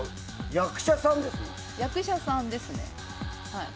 役者さんですね。